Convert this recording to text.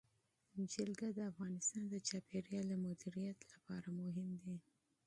جلګه د افغانستان د چاپیریال د مدیریت لپاره مهم دي.